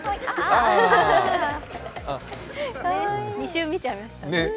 ２周、見ちゃいましたね。